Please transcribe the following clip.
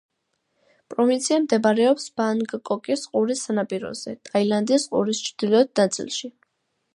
პროვინცია მდებარეობს ბანგკოკის ყურის სანაპიროზე, ტაილანდის ყურის ჩრდილოეთ ნაწილში.